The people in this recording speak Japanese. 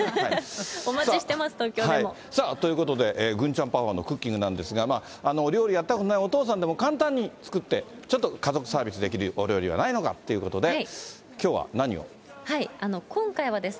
お待ちしています、さあ、ということで、郡ちゃんパパのクッキングなんですが、料理やったことないお父さんでも簡単に作って、ちょっと家族サービスできるお料理はないのかということで、きょうは何を。